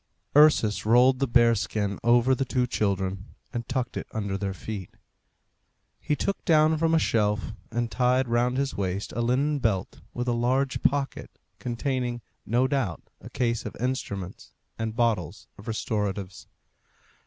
Ursus rolled the bear skin over the two children, and tucked it under their feet. He took down from a shelf, and tied round his waist, a linen belt with a large pocket containing, no doubt, a case of instruments and bottles of restoratives.